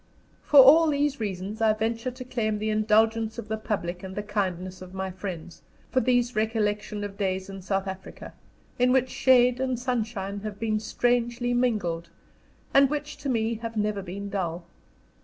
For all these reasons I venture to claim the indulgence of the public and the kindness of my friends, for these recollections of days in South Africa, in which shade and sunshine have been strangely mingled, and which to me have never been dull.